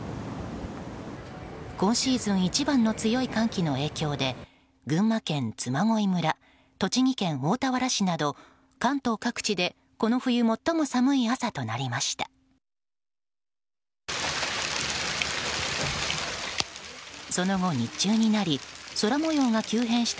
今シーズン一番の強い寒気の影響で群馬県嬬恋村栃木県大田原市など関東各地でこの冬最も寒い朝となりました。